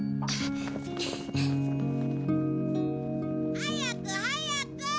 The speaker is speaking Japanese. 早く早く！